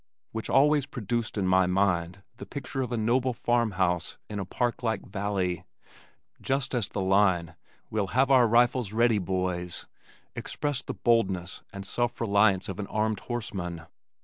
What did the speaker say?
which always produced in my mind the picture of a noble farm house in a park like valley, just as the line, "Well have our rifles ready, boys," expressed the boldness and self reliance of an armed horseman.